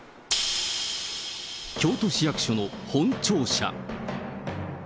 京都市役所の本庁舎。